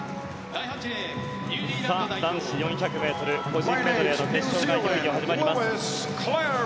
男子４００ｍ個人メドレーの決勝がいよいよ始まります。